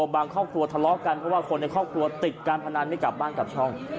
บางครอบครัวทะเลาะกันเพราะว่าคนในครอบครัวติดการพนันไม่กลับบ้านกลับช่อง